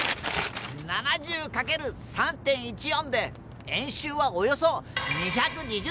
７０かける３．１４で円周はおよそ２２０ｃｍ！